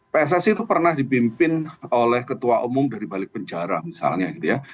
pssi itu pernah dipimpin oleh ketua umum dari balik penjara misalnya gitu ya